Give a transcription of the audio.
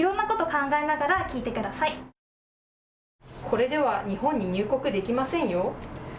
これでは日本に入国できませんよ。